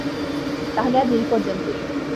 তাহলে আজ এই পর্যন্তই।